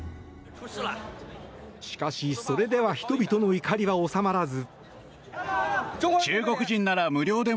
しかし、それでは人々の怒りは収まらず。